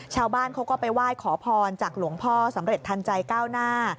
ชาวบ้านเขาก็ไปไหว้ขอพรจากหลวงพ่อสำเร็จทันใจก้าวหน้า